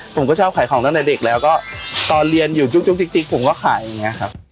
ผมก็ชอบขายของตั้งแต่เด็กแล้วก็ตอนเรียนอยู่จุ๊กจิ๊กผมก็ขายอย่างนี้ครับ